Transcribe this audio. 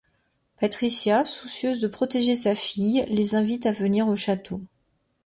Patricia, soucieuse de protéger sa fille, les invite à venir au château.